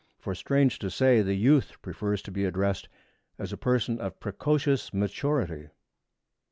For, strange to say, the youth prefers to be addressed as a person of precocious maturity.